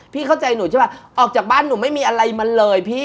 เข้าใจหนูใช่ป่ะออกจากบ้านหนูไม่มีอะไรมาเลยพี่